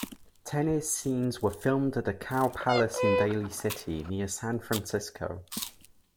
Tennis scenes were filmed at the Cow Palace in Daly City, near San Francisco.